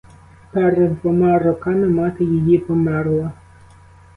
Перед двома роками мати її померла.